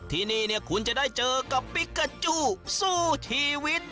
ที่นี่คุณจะได้เจอกับปิกาจู้สู้ชีวิต